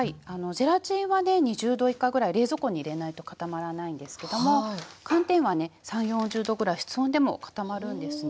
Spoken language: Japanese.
ゼラチンはね２０℃以下ぐらい冷蔵庫に入れないと固まらないんですけども寒天はね３０４０℃ぐらい室温でも固まるんですね。